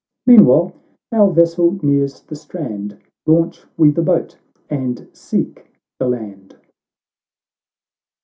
Meanwhile, our vessel nears the strand ; Launch we the boat, and seek the land."